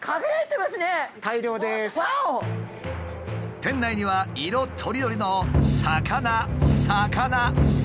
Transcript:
店内には色とりどりの魚魚魚！